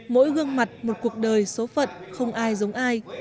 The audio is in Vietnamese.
mỗi gương mặt một cuộc đời số phận không ai giống ai